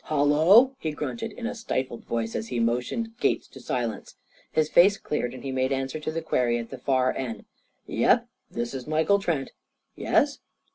"Hallo!" he grunted in a stifled voice as he motioned Gates to silence. His face cleared, and he made answer to the query at the far end: "Yep, this is Michael Trent. Yes?